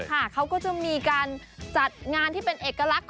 เขาก็จะมีการจัดงานที่เป็นเอกลักษณ์